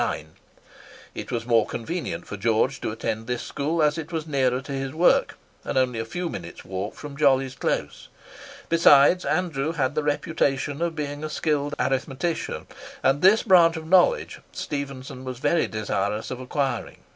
It was more convenient for George to attend this school, as it was nearer to his work, and only a few minutes' walk from Jolly's Close. Besides, Andrew had the reputation of being a skilled arithmetician; and this branch of knowledge Stephenson was very desirous of acquiring.